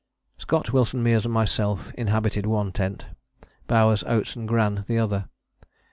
Scott, Wilson, Meares and myself inhabited one tent, Bowers, Oates and Gran the other.